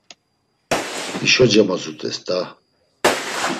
Hişo cemodzut̆es da.